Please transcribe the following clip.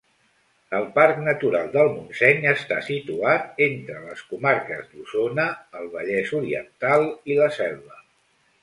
El Parc Natural del Montseny està situat entre les comarques d'Osona, el Vallès Oriental i la Selva.